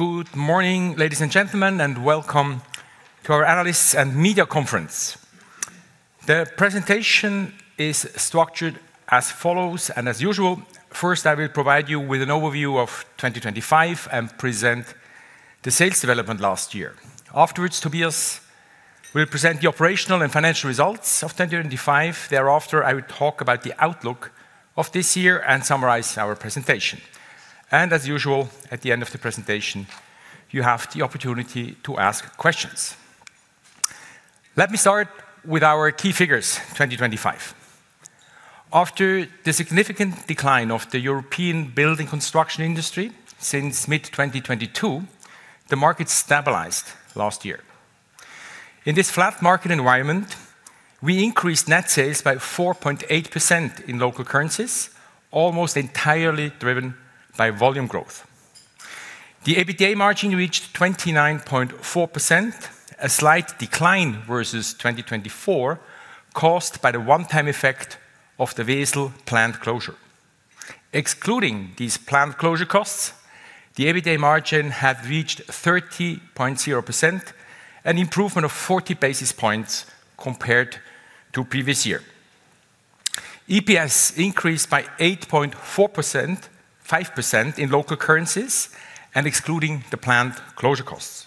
Good morning, ladies and gentlemen, and welcome to our analysts and media conference. The presentation is structured as follows. As usual, first, I will provide you with an overview of 2025 and present the sales development last year. Afterwards, Tobias will present the operational and financial results of 2025. Thereafter, I will talk about the outlook of this year and summarize our presentation. As usual, at the end of the presentation, you have the opportunity to ask questions. Let me start with our key figures, 2025. After the significant decline of the European building construction industry since mid-2022, the market stabilized last year. In this flat market environment, we increased net sales by 4.8% in local currencies, almost entirely driven by volume growth. The EBITDA margin reached 29.4%, a slight decline versus 2024, caused by the one-time effect of the Wesel plant closure. Excluding these plant closure costs, the EBITDA margin had reached 30.0%, an improvement of 40 basis points compared to previous year. EPS increased by 8.4%, 5% in local currencies and excluding the plant closure costs.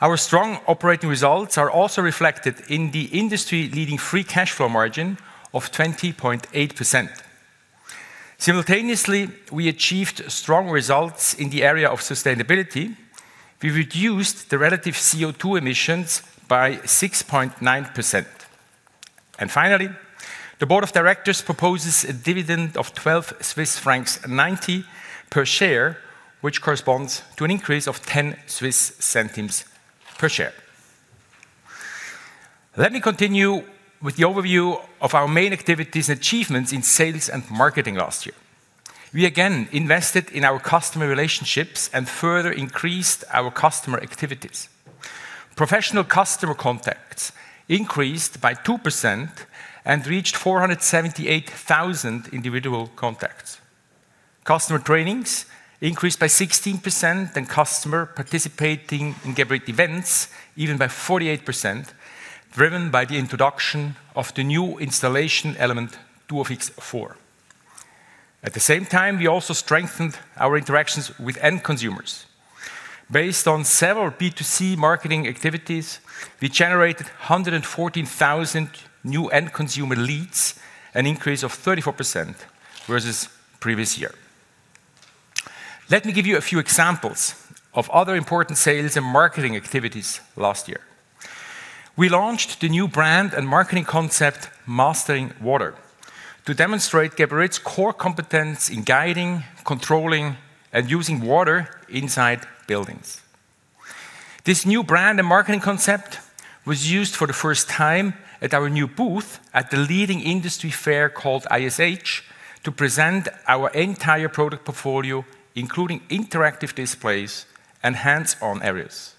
Our strong operating results are also reflected in the industry-leading free cash flow margin of 20.8%. Simultaneously, we achieved strong results in the area of sustainability. We reduced the relative CO2 emissions by 6.9%. Finally, the board of directors proposes a dividend of 12.90 Swiss francs per share, which corresponds to an increase of 0.10 CHF per share. Let me continue with the overview of our main activities and achievements in sales and marketing last year. We again invested in our customer relationships and further increased our customer activities. Professional customer contacts increased by 2% and reached 478,000 individual contacts. Customer trainings increased by 16%, and customers participating in Geberit events even by 48%, driven by the introduction of the new installation element Duofix 4. At the same time, we also strengthened our interactions with end consumers. Based on several B2C marketing activities, we generated 114,000 new end consumer leads, an increase of 34% versus previous year. Let me give you a few examples of other important sales and marketing activities last year. We launched the new brand and marketing concept, Mastering Water, to demonstrate Geberit's core competence in guiding, controlling, and using water inside buildings. This new brand and marketing concept was used for the first time at our new booth at the leading industry fair called ISH to present our entire product portfolio, including interactive displays and hands-on areas.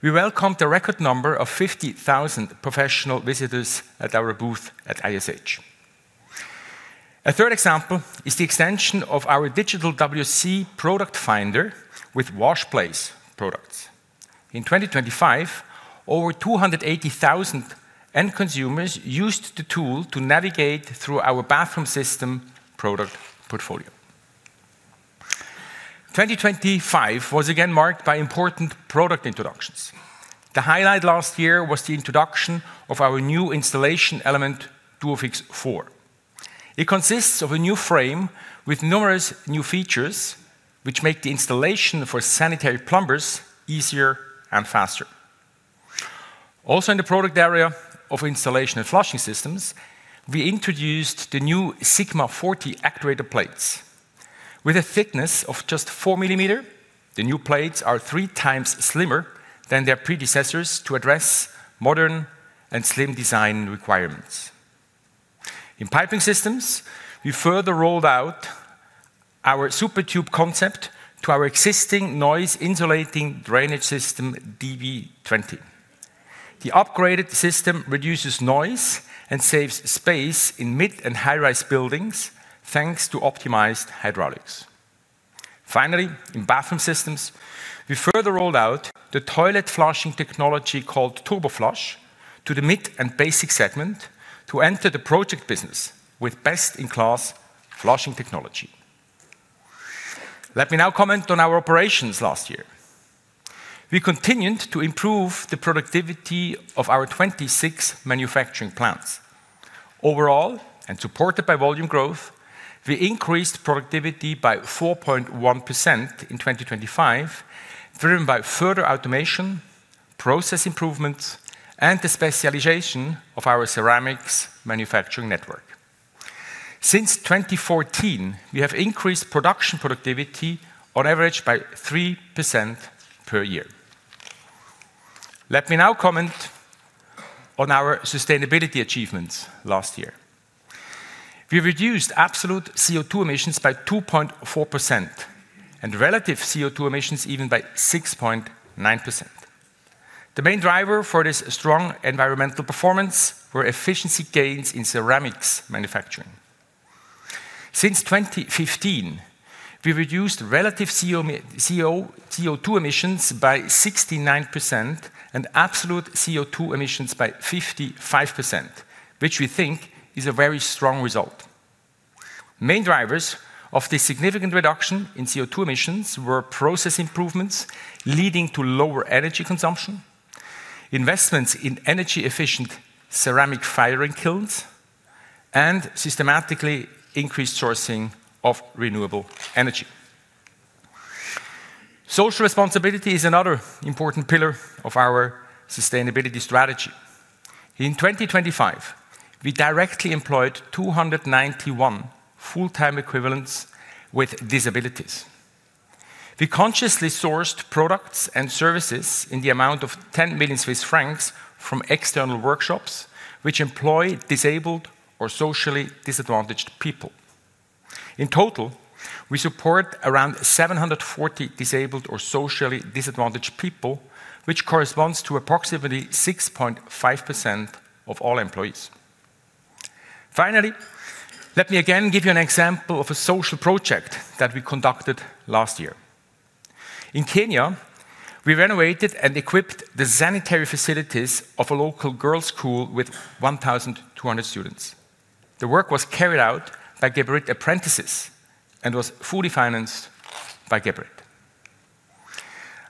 We welcomed a record number of 50,000 professional visitors at our booth at ISH. A third example is the extension of our digital WC product finder with Washplace products. In 2025, over 280,000 end consumers used the tool to navigate through our Bathroom Systems product portfolio. 2025 was again marked by important product introductions. The highlight last year was the introduction of our new installation element, Duofix 4. It consists of a new frame with numerous new features, which make the installation for sanitary plumbers easier and faster. Also, in the product area of Installation and Flushing Systems, we introduced the new Sigma40 actuator plates. With a thickness of just 4 mm, the new plates are three times slimmer than their predecessors to address modern and slim design requirements. In Piping Systems, we further rolled out our SuperTube concept to our existing noise-insulating drainage system, Silent-db20. The upgraded system reduces noise and saves space in mid- and high-rise buildings, thanks to optimized hydraulics. Finally, in Bathroom Systems, we further rolled out the toilet flushing technology called TurboFlush to the mid- and basic segment to enter the project business with best-in-class flushing technology. Let me now comment on our operations last year. We continued to improve the productivity of our 26 manufacturing plants. Overall, and supported by volume growth, we increased productivity by 4.1% in 2025, driven by further automation, process improvements, and the specialization of our ceramics manufacturing network. Since 2014, we have increased production productivity on average by 3% per year. Let me now comment on our sustainability achievements last year. We reduced absolute CO2 emissions by 2.4% and relative CO2 emissions even by 6.9%. The main driver for this strong environmental performance were efficiency gains in ceramics manufacturing. Since 2015, we reduced relative CO2 emissions by 69% and absolute CO2 emissions by 55%, which we think is a very strong result. Main drivers of this significant reduction in CO2 emissions were process improvements leading to lower energy consumption, investments in energy efficient ceramic firing kilns, and systematically increased sourcing of renewable energy. Social responsibility is another important pillar of our sustainability strategy. In 2025, we directly employed 291 full-time equivalents with disabilities. We consciously sourced products and services in the amount of 10 million Swiss francs from external workshops, which employ disabled or socially disadvantaged people. In total, we support around 740 disabled or socially disadvantaged people, which corresponds to approximately 6.5% of all employees. Finally, let me again give you an example of a social project that we conducted last year. In Kenya, we renovated and equipped the sanitary facilities of a local girls school with 1,200 students. The work was carried out by Geberit apprentices and was fully financed by Geberit.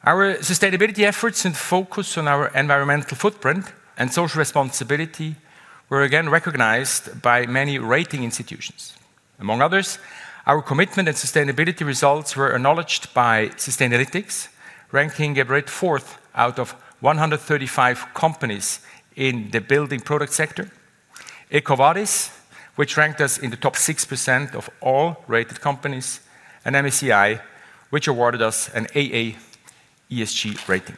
Our sustainability efforts and focus on our environmental footprint and social responsibility were again recognized by many rating institutions. Among others, our commitment and sustainability results were acknowledged by Sustainalytics, ranking Geberit 4th out of 135 companies in the building product sector. EcoVadis, which ranked us in the top 6% of all rated companies, and MSCI, which awarded us an AA ESG rating.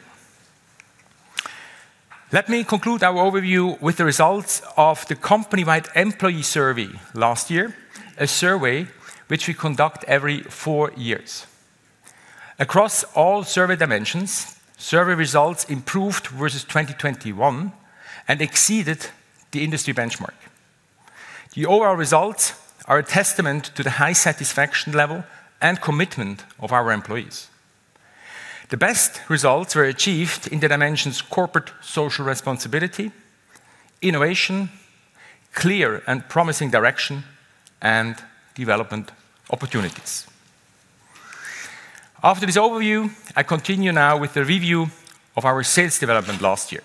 Let me conclude our overview with the results of the company-wide employee survey last year, a survey which we conduct every four years. Across all survey dimensions, survey results improved versus 2021 and exceeded the industry benchmark. The overall results are a testament to the high satisfaction level and commitment of our employees. The best results were achieved in the dimensions corporate social responsibility, innovation, clear and promising direction, and development opportunities. After this overview, I continue now with the review of our sales development last year.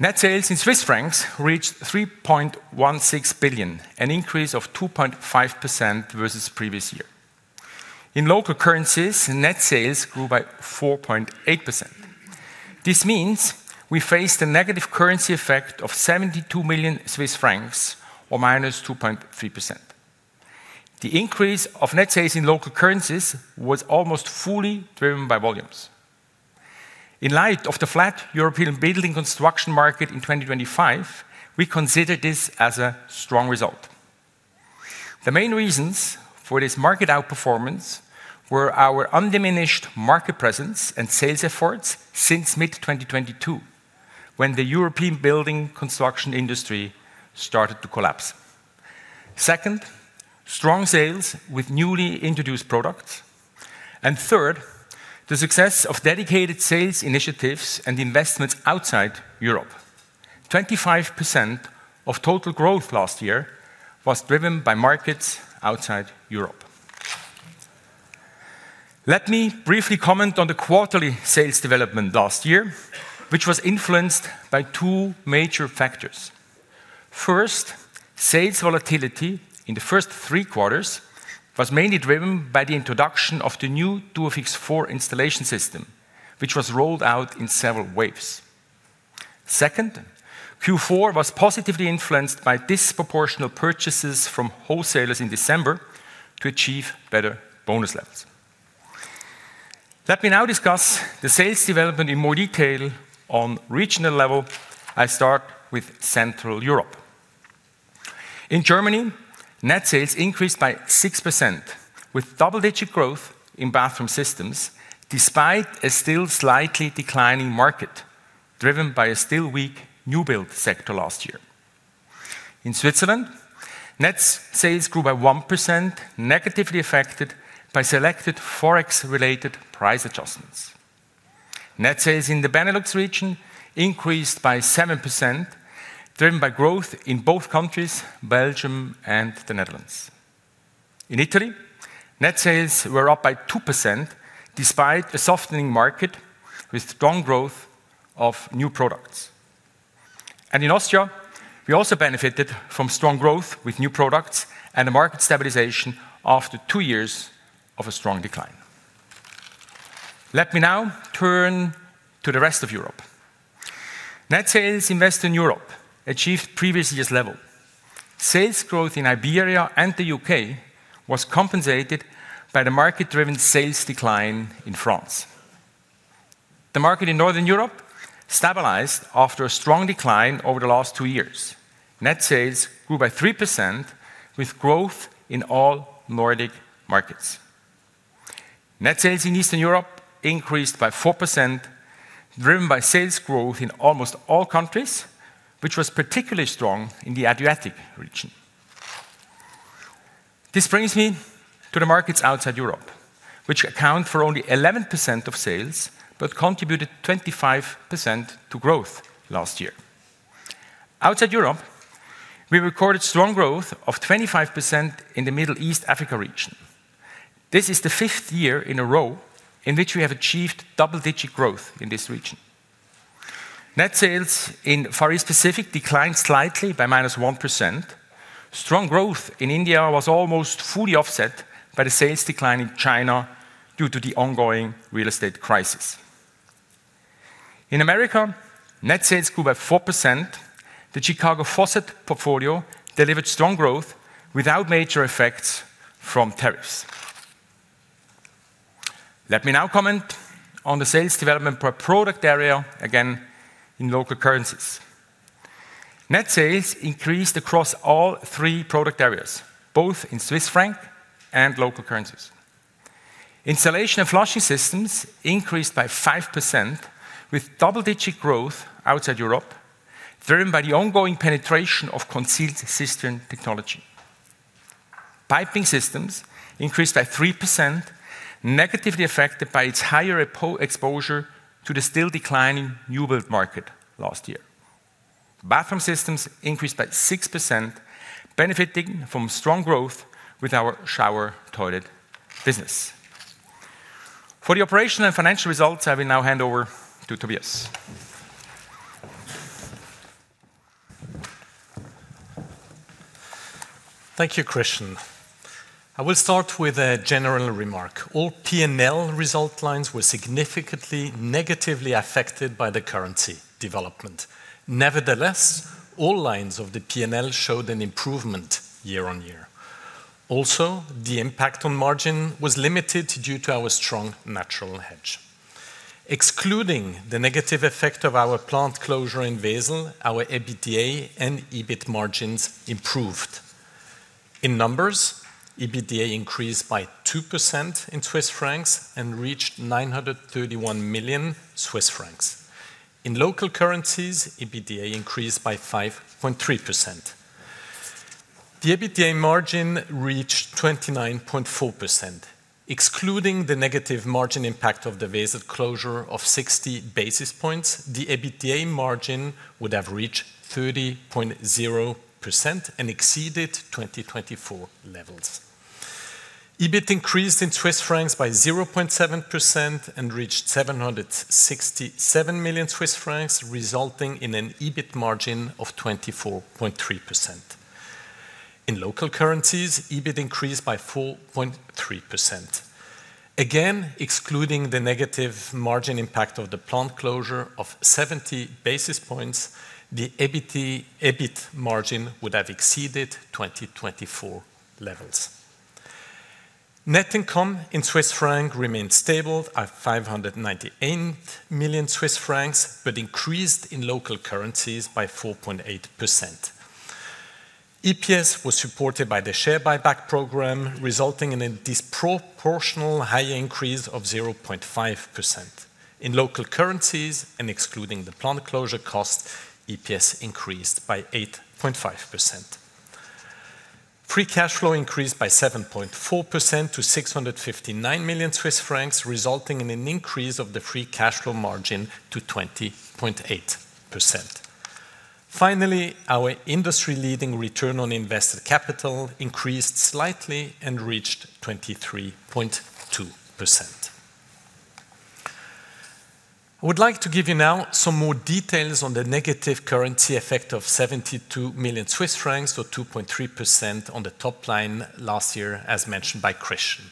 Net sales in Swiss francs reached 3.16 billion, an increase of 2.5% versus previous year. In local currencies, net sales grew by 4.8%. This means we faced a negative currency effect of 72 million Swiss francs or -2.3%. The increase of net sales in local currencies was almost fully driven by volumes. In light of the flat European building construction market in 2025, we consider this as a strong result. The main reasons for this market outperformance were our undiminished market presence and sales efforts since mid-2022, when the European building construction industry started to collapse. Second, strong sales with newly introduced products. Third, the success of dedicated sales initiatives and investments outside Europe. 25% of total growth last year was driven by markets outside Europe. Let me briefly comment on the quarterly sales development last year, which was influenced by two major factors. First, sales volatility in the first three quarters was mainly driven by the introduction of the new Duofix 4 installation system, which was rolled out in several waves. Second, Q4 was positively influenced by disproportional purchases from wholesalers in December to achieve better bonus levels. Let me now discuss the sales development in more detail on regional level. I start with Central Europe. In Germany, net sales increased by 6% with double-digit growth in Bathroom Systems, despite a still slightly declining market, driven by a still weak new build sector last year. In Switzerland, net sales grew by 1%, negatively affected by selected FX-related price adjustments. Net sales in the Benelux region increased by 7%, driven by growth in both countries, Belgium and the Netherlands. In Italy, net sales were up by 2% despite a softening market with strong growth of new products. In Austria, we also benefited from strong growth with new products and a market stabilization after two years of a strong decline. Let me now turn to the rest of Europe. Net sales in Western Europe achieved previous year's level. Sales growth in Iberia and the UK was compensated by the market-driven sales decline in France. The market in Northern Europe stabilized after a strong decline over the last two years. Net sales grew by 3% with growth in all Nordic markets. Net sales in Eastern Europe increased by 4%, driven by sales growth in almost all countries, which was particularly strong in the Adriatic region. This brings me to the markets outside Europe, which account for only 11% of sales, but contributed 25% to growth last year. Outside Europe, we recorded strong growth of 25% in the Middle East Africa region. This is the 5th year in a row in which we have achieved double-digit growth in this region. Net sales in Far East Pacific declined slightly by -1%. Strong growth in India was almost fully offset by the sales decline in China due to the ongoing real estate crisis. In America, net sales grew by 4%. The Chicago Faucets portfolio delivered strong growth without major effects from tariffs. Let me now comment on the sales development per product area, again in local currencies. Net sales increased across all three product areas, both in Swiss franc and local currencies. Installation of flushing systems increased by 5% with double-digit growth outside Europe, driven by the ongoing penetration of concealed cistern technology. Piping systems increased by 3%, negatively affected by its higher exposure to the still declining new build market last year. Bathroom Systems increased by 6%, benefiting from strong growth with our shower toilet business. For the operational and financial results, I will now hand over to Tobias. Thank you, Christian. I will start with a general remark. All P&L result lines were significantly negatively affected by the currency development. Nevertheless, all lines of the P&L showed an improvement year on year. Also, the impact on margin was limited due to our strong natural hedge. Excluding the negative effect of our plant closure in Wesel, our EBITDA and EBIT margins improved. In numbers, EBITDA increased by 2% in Swiss francs and reached 931 million Swiss francs. In local currencies, EBITDA increased by 5.3%. The EBITDA margin reached 29.4%. Excluding the negative margin impact of the Wesel closure of 60 basis points, the EBITDA margin would have reached 30.0% and exceeded 2024 levels. EBIT increased in Swiss francs by 0.7% and reached 767 million Swiss francs, resulting in an EBIT margin of 24.3%. In local currencies, EBIT increased by 4.3%. Excluding the negative margin impact of the plant closure of 70 basis points, the EBIT margin would have exceeded 2024 levels. Net income in Swiss francs remained stable at 598 million Swiss francs, but increased in local currencies by 4.8%. EPS was supported by the share buyback program, resulting in a disproportionately high increase of 0.5%. In local currencies and excluding the plant closure cost, EPS increased by 8.5%. Free cash flow increased by 7.4% to 659 million Swiss francs, resulting in an increase of the free cash flow margin to 20.8%. Our industry leading return on invested capital increased slightly and reached 23.2%. I would like to give you now some more details on the negative currency effect of 72 million Swiss francs or 2.3% on the top line last year, as mentioned by Christian.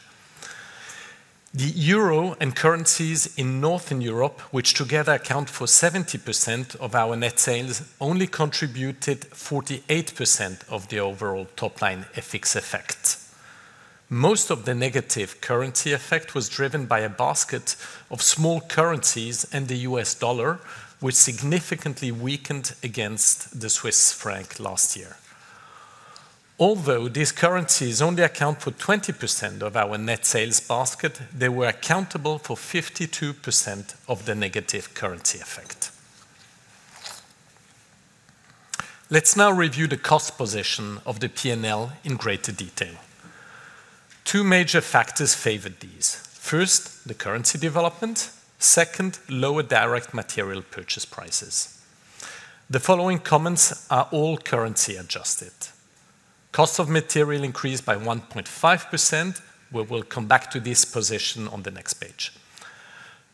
The euro and currencies in Northern Europe, which together account for 70% of our net sales, only contributed 48% of the overall top line FX effect. Most of the negative currency effect was driven by a basket of small currencies and the U.S. Dollar, which significantly weakened against the Swiss franc last year. Although these currencies only account for 20% of our net sales basket, they were accountable for 52% of the negative currency effect. Let's now review the cost position of the P&L in greater detail. Two major factors favored these. First, the currency development. Second, lower direct material purchase prices. The following comments are all currency adjusted. Cost of material increased by 1.5%. We will come back to this position on the next page.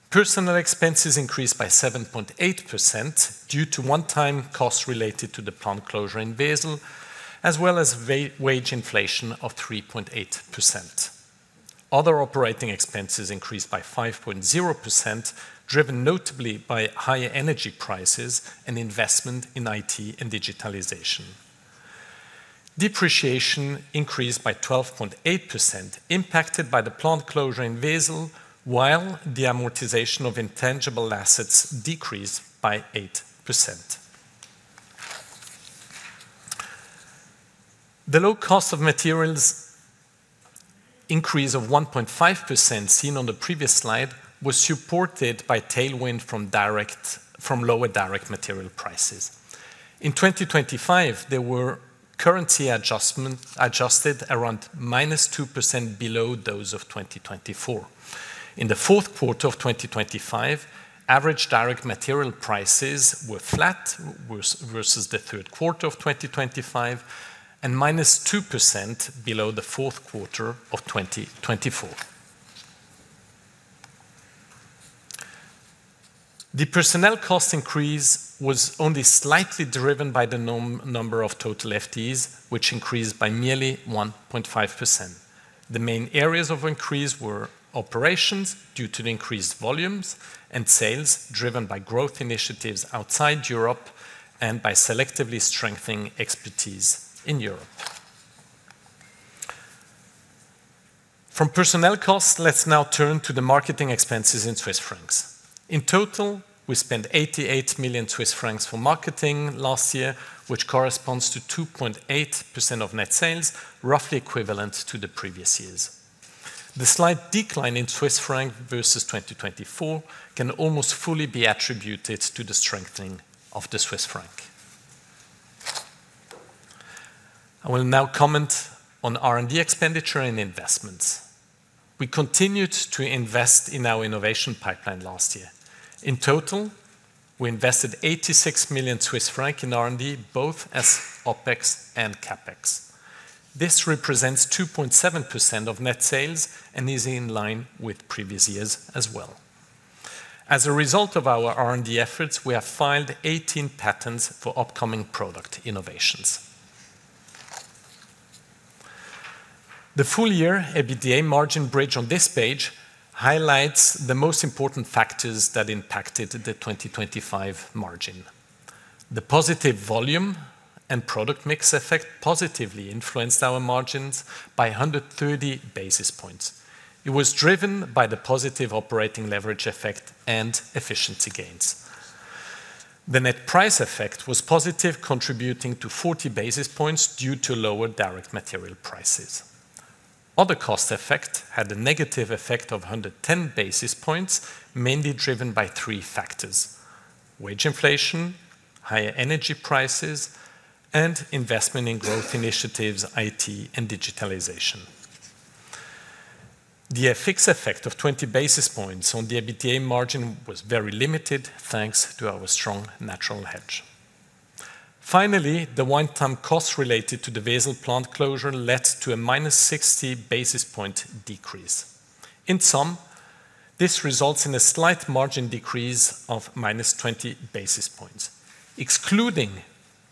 Personnel expenses increased by 7.8% due to one-time costs related to the plant closure in Wesel, as well as wage inflation of 3.8%. Other operating expenses increased by 5.0%, driven notably by higher energy prices and investment in IT and digitalization. Depreciation increased by 12.8%, impacted by the plant closure in Wesel, while the amortization of intangible assets decreased by 8%. The low cost of materials increase of 1.5% seen on the previous slide was supported by tailwind from lower direct material prices. In 2025, there were currency-adjusted around -2% below those of 2024. In the fourth quarter of 2025, average direct material prices were flat versus the third quarter of 2025 and -2% below the fourth quarter of 2024. The personnel cost increase was only slightly driven by the number of total FTEs, which increased by merely 1.5%. The main areas of increase were operations, due to the increased volumes, and sales, driven by growth initiatives outside Europe and by selectively strengthening expertise in Europe. From personnel costs, let's now turn to the marketing expenses in Swiss francs. In total, we spent 88 million Swiss francs for marketing last year, which corresponds to 2.8% of net sales, roughly equivalent to the previous years. The slight decline in Swiss franc versus 2024 can almost fully be attributed to the strengthening of the Swiss franc. I will now comment on R&D expenditure and investments. We continued to invest in our innovation pipeline last year. In total, we invested 86 million Swiss francs in R&D, both as OpEx and CapEx. This represents 2.7% of net sales and is in line with previous years as well. As a result of our R&D efforts, we have filed 18 patents for upcoming product innovations. The full year EBITDA margin bridge on this page highlights the most important factors that impacted the 2025 margin. The positive volume and product mix effect positively influenced our margins by 130 basis points. It was driven by the positive operating leverage effect and efficiency gains. The net price effect was positive, contributing to 40 basis points due to lower direct material prices. Other cost effect had a negative effect of 110 basis points, mainly driven by three factors, wage inflation, higher energy prices, and investment in growth initiatives, IT, and digitalization. The FX effect of 20 basis points on the EBITDA margin was very limited thanks to our strong natural hedge. Finally, the one-time costs related to the Wesel plant closure led to a -60 basis point decrease. In sum, this results in a slight margin decrease of -20 basis points. Excluding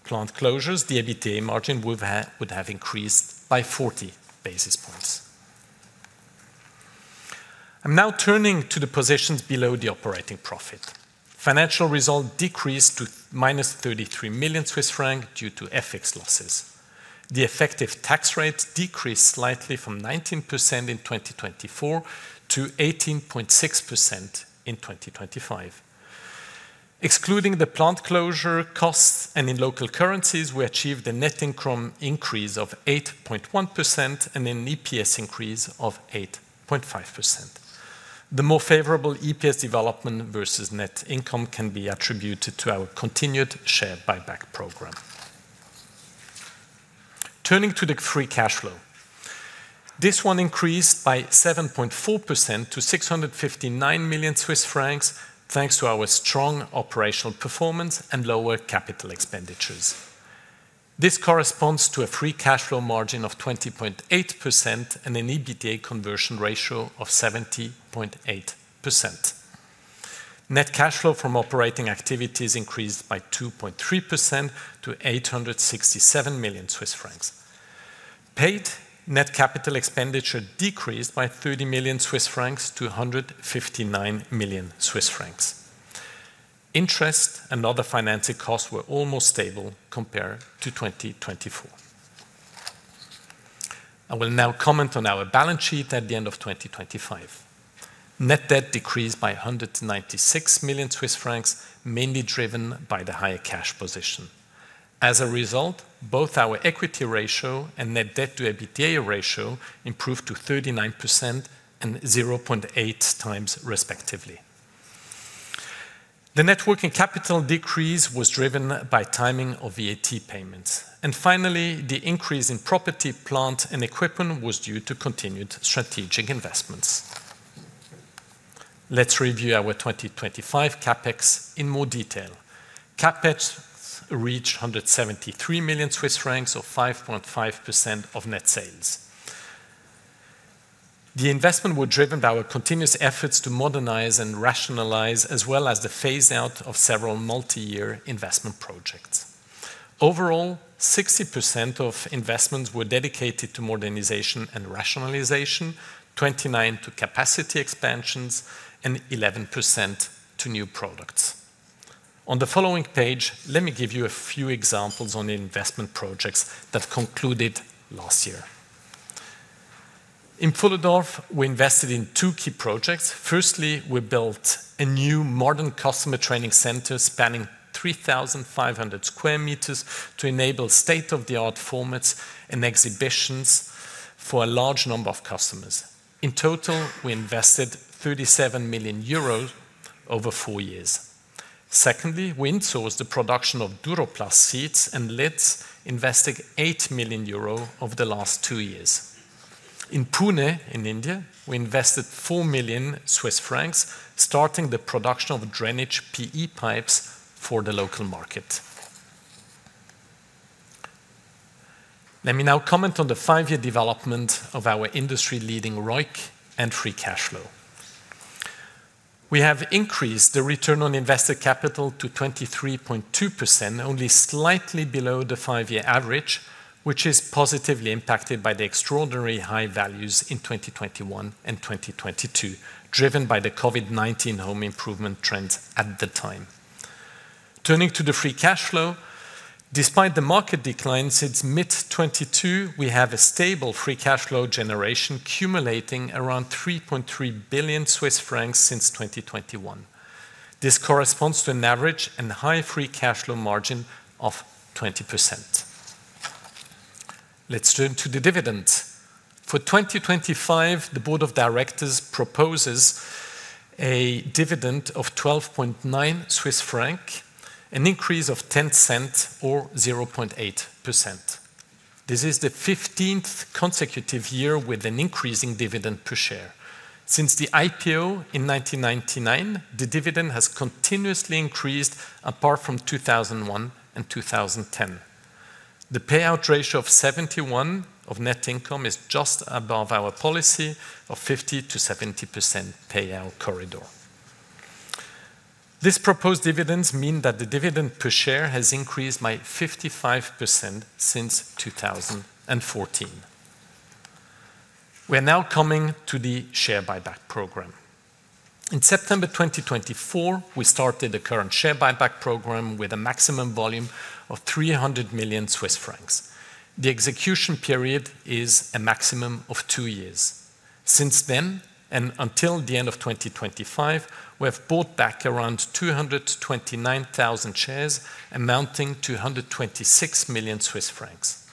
plant closures, the EBITDA margin would have increased by 40 basis points. I'm now turning to the positions below the operating profit. Financial result decreased to -33 million Swiss francs due to FX losses. The effective tax rate decreased slightly from 19% in 2024 to 18.6% in 2025. Excluding the plant closure costs and in local currencies, we achieved a net income increase of 8.1% and an EPS increase of 8.5%. The more favorable EPS development versus net income can be attributed to our continued share buyback program. Turning to the free cash flow. This one increased by 7.4% to 659 million Swiss francs, thanks to our strong operational performance and lower capital expenditures. This corresponds to a free cash flow margin of 20.8% and an EBITDA conversion ratio of 70.8%. Net cash flow from operating activities increased by 2.3% to 867 million Swiss francs. Paid net capital expenditure decreased by 30 million Swiss francs to 159 million Swiss francs. Interest and other financing costs were almost stable compared to 2024. I will now comment on our balance sheet at the end of 2025. Net debt decreased by 196 million Swiss francs, mainly driven by the higher cash position. As a result, both our equity ratio and net debt to EBITDA ratio improved to 39% and 0.8x, respectively. The net working capital decrease was driven by timing of VAT payments. Finally, the increase in property, plant, and equipment was due to continued strategic investments. Let's review our 2025 CapEx in more detail. CapEx reached 173 million Swiss francs, or 5.5% of net sales. The investments were driven by our continuous efforts to modernize and rationalize, as well as the phase-out of several multi-year investment projects. Overall, 60% of investments were dedicated to modernization and rationalization, 29% to capacity expansions, and 11% to new products. On the following page, let me give you a few examples on the investment projects that concluded last year. In Pfullendorf, we invested in two key projects. Firstly, we built a new modern customer training center spanning 3,500 sqm to enable state-of-the-art formats and exhibitions for a large number of customers. In total, we invested 37 million euros over four years. Second, we insourced the production of Duroplast seats and lids, investing 8 million euro over the last two years. In Pune, in India, we invested 4 million Swiss francs, starting the production of drainage PE pipes for the local market. Let me now comment on the 5-year development of our industry-leading ROIC and free cash flow. We have increased the return on invested capital to 23.2%, only slightly below the 5-year average, which is positively impacted by the extraordinary high values in 2021 and 2022, driven by the COVID-19 home improvement trends at the time. Turning to the free cash flow, despite the market decline since mid-2022, we have a stable free cash flow generation accumulating around 3.3 billion Swiss francs since 2021. This corresponds to an average and high free cash flow margin of 20%. Let's turn to the dividend. For 2025, the board of directors proposes a dividend of 12.9 Swiss franc, an increase of 0.10 or 0.8%. This is the fifteenth consecutive year with an increasing dividend per share. Since the IPO in 1999, the dividend has continuously increased apart from 2001 and 2010. The payout ratio of 71% of net income is just above our policy of 50%-70% payout corridor. This proposed dividends mean that the dividend per share has increased by 55% since 2014. We're now coming to the share buyback program. In September 2024, we started the current share buyback program with a maximum volume of 300 million Swiss francs. The execution period is a maximum of two years. Since then, and until the end of 2025, we have bought back around 229,000 shares, amounting to 126 million Swiss francs.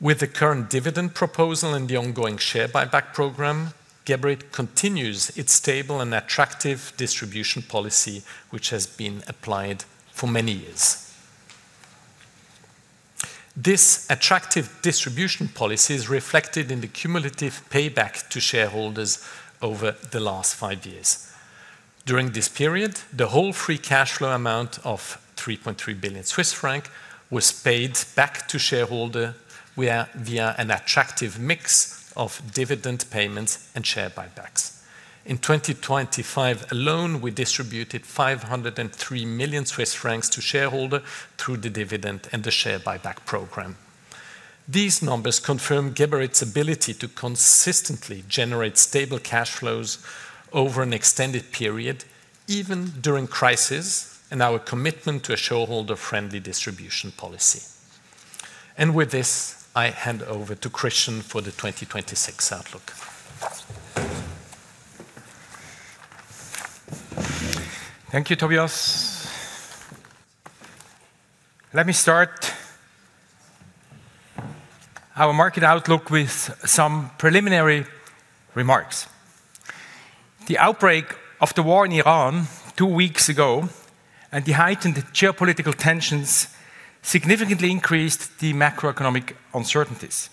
With the current dividend proposal and the ongoing share buyback program, Geberit continues its stable and attractive distribution policy, which has been applied for many years. This attractive distribution policy is reflected in the cumulative payback to shareholders over the last five years. During this period, the whole free cash flow amount of 3.3 billion Swiss franc was paid back to shareholder via an attractive mix of dividend payments and share buybacks. In 2025 alone, we distributed 503 million Swiss francs to shareholder through the dividend and the share buyback program. These numbers confirm Geberit's ability to consistently generate stable cash flows over an extended period, even during crisis, and our commitment to a shareholder-friendly distribution policy. With this, I hand over to Christian for the 2026 outlook. Thank you, Tobias. Let me start our market outlook with some preliminary remarks. The outbreak of the war in Iran two weeks ago and the heightened geopolitical tensions significantly increased the macroeconomic uncertainties.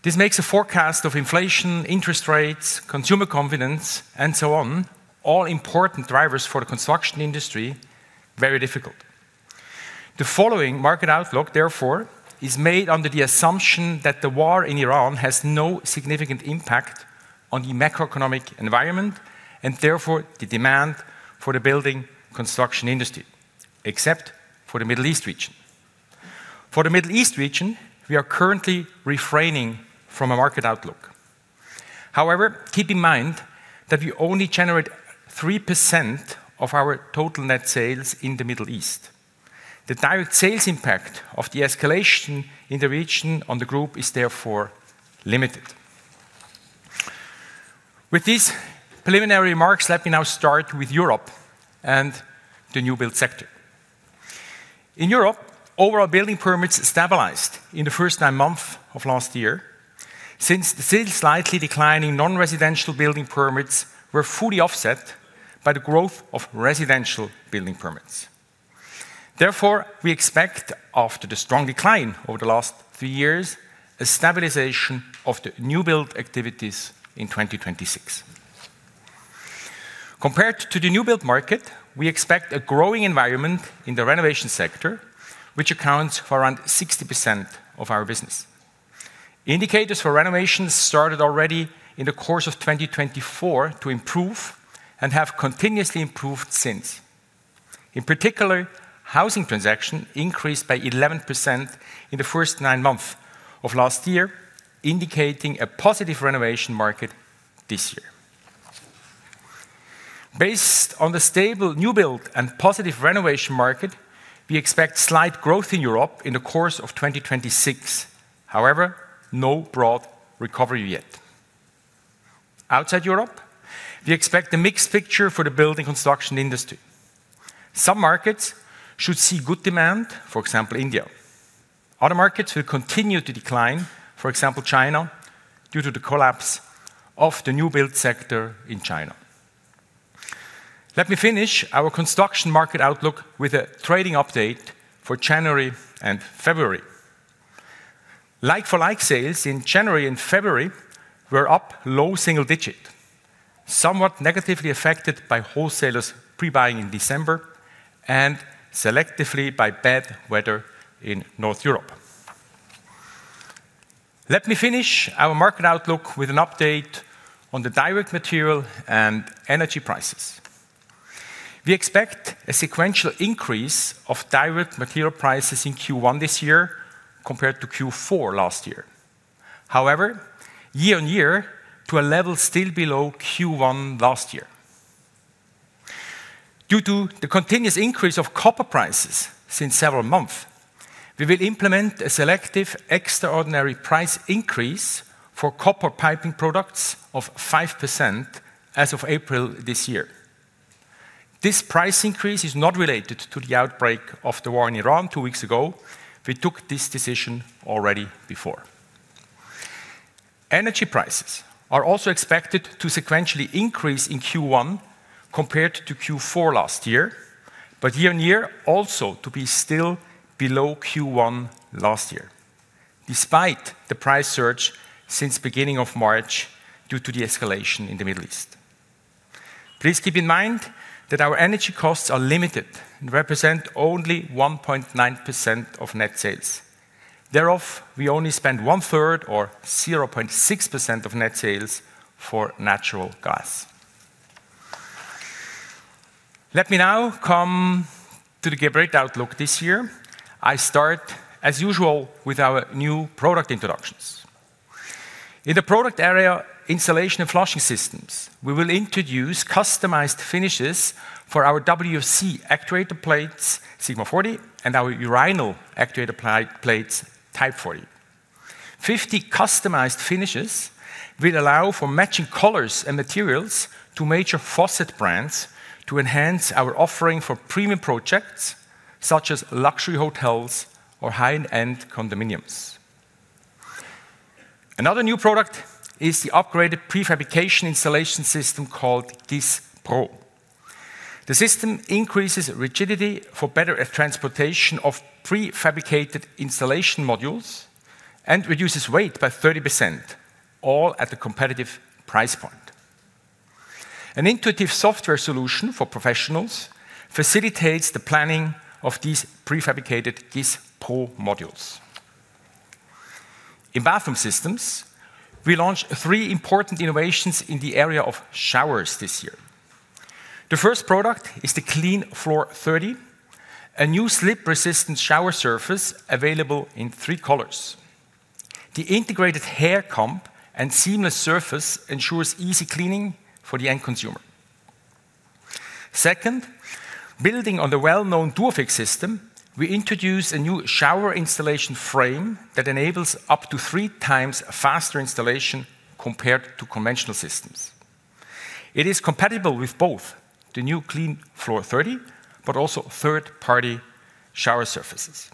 This makes a forecast of inflation, interest rates, consumer confidence, and so on, all important drivers for the construction industry, very difficult. The following market outlook, therefore, is made under the assumption that the war in Iran has no significant impact on the macroeconomic environment and therefore the demand for the building construction industry, except for the Middle East region. For the Middle East region, we are currently refraining from a market outlook. However, keep in mind that we only generate 3% of our total net sales in the Middle East. The direct sales impact of the escalation in the region on the group is therefore limited. With these preliminary remarks, let me now start with Europe and the new build sector. In Europe, overall building permits stabilized in the first nine months of last year since the still slightly declining non-residential building permits were fully offset by the growth of residential building permits. Therefore, we expect, after the strong decline over the last three years, a stabilization of the new build activities in 2026. Compared to the new build market, we expect a growing environment in the renovation sector, which accounts for around 60% of our business. Indicators for renovations started already in the course of 2024 to improve and have continuously improved since. In particular, housing transaction increased by 11% in the first nine months of last year, indicating a positive renovation market this year. Based on the stable new build and positive renovation market, we expect slight growth in Europe in the course of 2026. However, no broad recovery yet. Outside Europe, we expect a mixed picture for the building construction industry. Some markets should see good demand, for example, India. Other markets will continue to decline, for example, China, due to the collapse of the new build sector in China. Let me finish our construction market outlook with a trading update for January and February. Like-for-like sales in January and February were up low single-digit, somewhat negatively affected by wholesalers pre-buying in December, and selectively by bad weather in North Europe. Let me finish our market outlook with an update on the direct material and energy prices. We expect a sequential increase of direct material prices in Q1 this year compared to Q4 last year. However, year-on-year to a level still below Q1 last year. Due to the continuous increase of copper prices since several months, we will implement a selective extraordinary price increase for copper piping products of 5% as of April this year. This price increase is not related to the outbreak of the war in Iran two weeks ago. We took this decision already before. Energy prices are also expected to sequentially increase in Q1 compared to Q4 last year, but year-on-year also to be still below Q1 last year, despite the price surge since beginning of March due to the escalation in the Middle East. Please keep in mind that our energy costs are limited and represent only 1.9% of net sales. Thereof, we only spend 1/3 or 0.6% of net sales for natural gas. Let me now come to the Geberit outlook this year. I start as usual with our new product introductions. In the product area, Installation and Flushing Systems, we will introduce customized finishes for our WC actuator plates, Sigma40, and our urinal actuator plates, Type 40. 50 customized finishes will allow for matching colors and materials to major faucet brands to enhance our offering for premium projects such as luxury hotels or high-end condominiums. Another new product is the upgraded prefabrication installation system called GIS-Pro. The system increases rigidity for better transportation of prefabricated installation modules and reduces weight by 30%, all at a competitive price point. An intuitive software solution for professionals facilitates the planning of these prefabricated GIS-Pro modules. In Bathroom Systems, we launched three important innovations in the area of showers this year. The first product is the CleanFloor30, a new slip-resistant shower surface available in three colors. The integrated hair comb and seamless surface ensures easy cleaning for the end consumer. Second, building on the well-known Duofix system, we introduce a new shower installation frame that enables up to 3x faster installation compared to conventional systems. It is compatible with both the new CleanFloor30, but also third-party shower surfaces.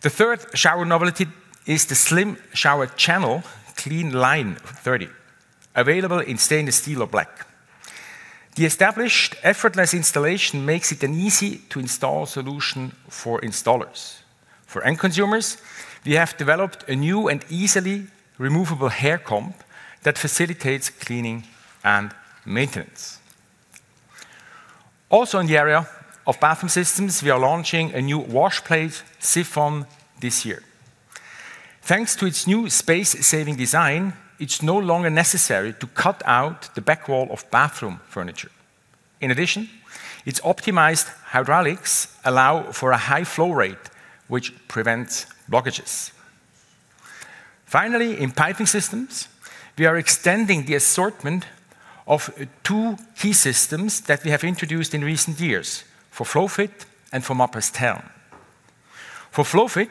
The third shower novelty is the slim shower channel CleanLine50, available in stainless steel or black. The established effortless installation makes it an easy-to-install solution for installers. For end-consumers, we have developed a new and easily removable hair comb that facilitates cleaning and maintenance. Also, in the area of Bathroom Systems, we are launching a new wash place siphon this year. Thanks to its new space-saving design, it's no longer necessary to cut out the back wall of bathroom furniture. In addition, its optimized hydraulics allow for a high flow rate, which prevents blockages. Finally, in Piping Systems, we are extending the assortment of two key systems that we have introduced in recent years: for FlowFit and for Mapress. For FlowFit,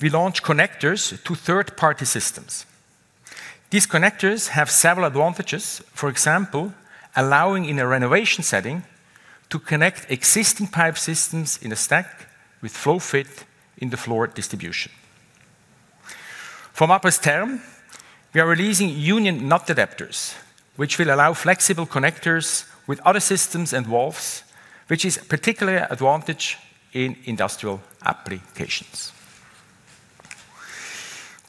we launch connectors to third-party systems. These connectors have several advantages. For example, allowing in a renovation setting to connect existing pipe systems in a stack with FlowFit in the floor distribution. For Mapress, we are releasing union nut adapters, which will allow flexible connectors with other systems and valves, which is particularly advantageous in industrial applications.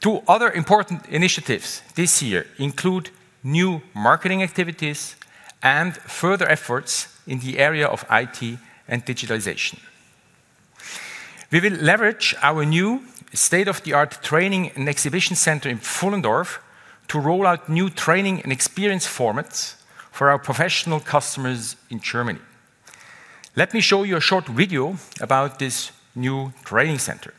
Two other important initiatives this year include new marketing activities and further efforts in the area of IT and digitalization. We will leverage our new state-of-the-art training and exhibition center in Pfullendorf to roll out new training and experience formats for our professional customers in Germany. Let me show you a short video about this new training center.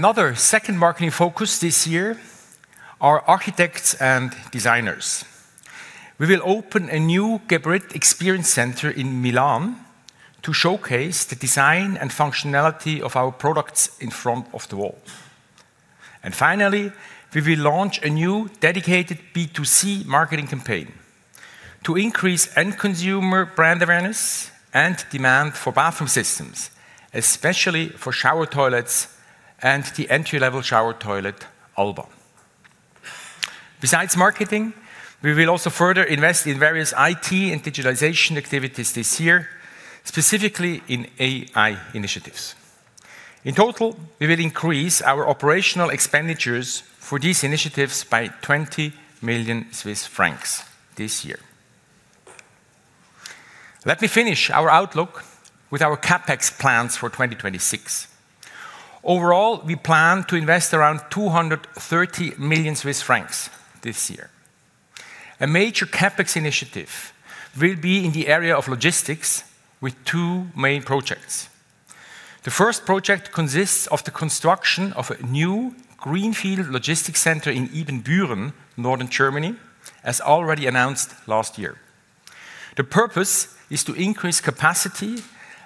Another key marketing focus this year are architects and designers. We will open a new Geberit Experience Center in Milan to showcase the design and functionality of our products in front of the wall. Finally, we will launch a new dedicated B2C marketing campaign to increase end consumer brand awareness and demand for bathroom systems, especially for shower toilets and the entry-level shower toilet, Alba. Besides marketing, we will also further invest in various IT and digitalization activities this year, specifically in AI initiatives. In total, we will increase our operational expenditures for these initiatives by 20 million Swiss francs this year. Let me finish our outlook with our CapEx plans for 2026. Overall, we plan to invest around 230 million Swiss francs this year. A major CapEx initiative will be in the area of logistics with two main projects. The first project consists of the construction of a new greenfield logistics center in Ibbenbüren, Northern Germany, as already announced last year. The purpose is to increase capacity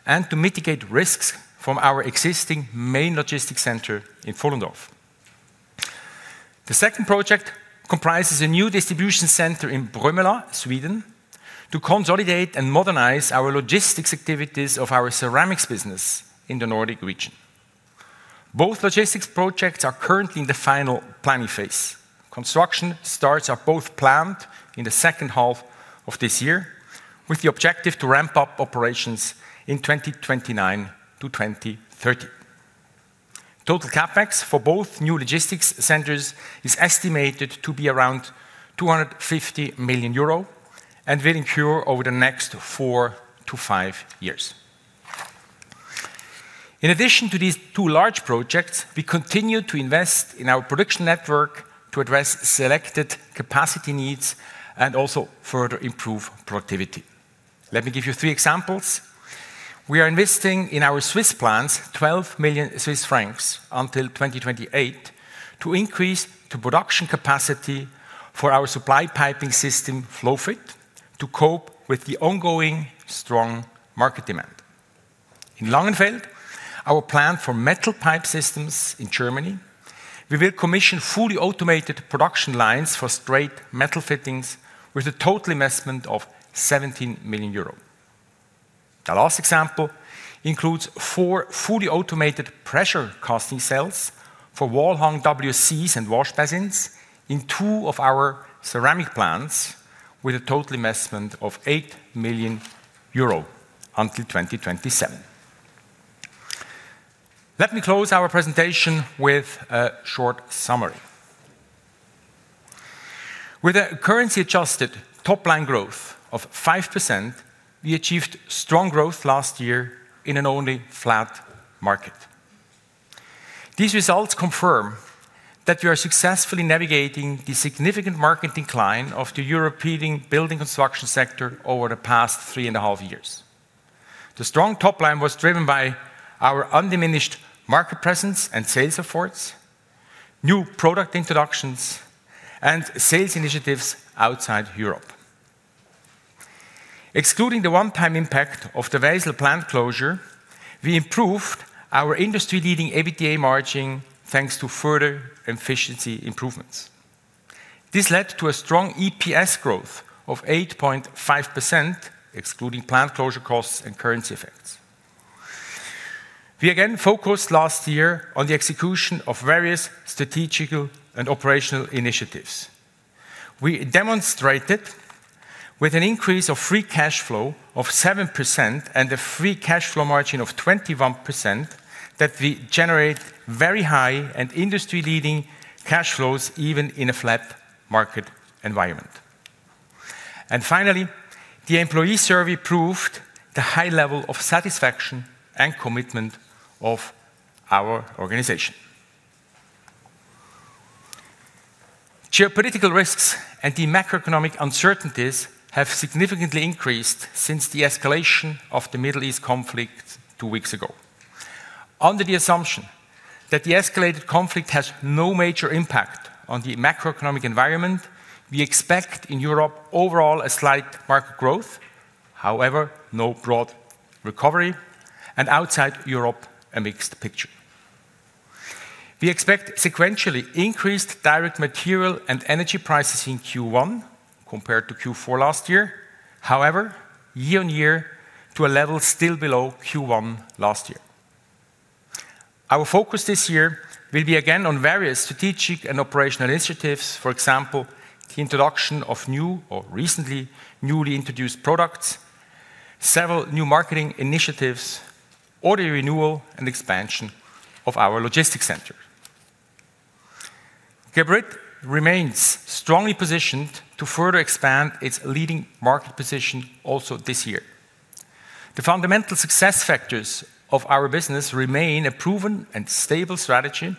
and to mitigate risks from our existing main logistics center in Pfullendorf. The second project comprises a new distribution center in Bromölla, Sweden, to consolidate and modernize our logistics activities of our ceramics business in the Nordic region. Both logistics projects are currently in the final planning phase. Construction starts are both planned in the second half of this year, with the objective to ramp up operations in 2029-2030. Total CapEx for both new logistics centers is estimated to be around 250 million euro and will incur over the next four to five years. In addition to these two large projects, we continue to invest in our production network to address selected capacity needs and also further improve productivity. Let me give you three examples. We are investing in our Swiss plants 12 million Swiss francs until 2028 to increase the production capacity for our supply piping system, FlowFit, to cope with the ongoing strong market demand. In Langenfeld, our plant for metal pipe systems in Germany, we will commission fully automated production lines for straight metal fittings with a total investment of 17 million euro. The last example includes four fully automated pressure casting cells for wall-hung WCs and wash basins in two of our ceramic plants with a total investment of 8 million euro until 2027. Let me close our presentation with a short summary. With a currency-adjusted top-line growth of 5%, we achieved strong growth last year in an only flat market. These results confirm that we are successfully navigating the significant market decline of the European building construction sector over the past 3.5 years. The strong top-line was driven by our undiminished market presence and sales efforts, new product introductions, and sales initiatives outside Europe. Excluding the one-time impact of the Wesel plant closure, we improved our industry-leading EBITDA margin, thanks to further efficiency improvements. This led to a strong EPS growth of 8.5%, excluding plant closure costs and currency effects. We again focused last year on the execution of various strategic and operational initiatives. We demonstrated with an increase of free cash flow of 7% and a free cash flow margin of 21% that we generate very high and industry-leading cash flows even in a flat market environment. Finally, the employee survey proved the high level of satisfaction and commitment of our organization. Geopolitical risks and the macroeconomic uncertainties have significantly increased since the escalation of the Middle East conflict two weeks ago. Under the assumption that the escalated conflict has no major impact on the macroeconomic environment, we expect in Europe overall a slight market growth. However, no broad recovery, and outside Europe, a mixed picture. We expect sequentially increased direct material and energy prices in Q1 compared to Q4 last year. However, year-on-year to a level still below Q1 last year. Our focus this year will be again on various strategic and operational initiatives, for example, the introduction of new or recently newly introduced products, several new marketing initiatives, order renewal and expansion of our logistics center. Geberit remains strongly positioned to further expand its leading market position also this year. The fundamental success factors of our business remain a proven and stable strategy,